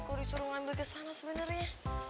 kok disuruh ngambil kesana sebenernya